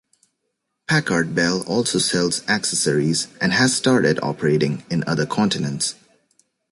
Packard Bell also sells accessories and has started operating in other continents.